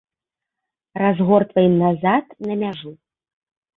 Разгортваем назад на мяжу.